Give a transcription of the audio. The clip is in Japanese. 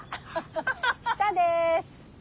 下です。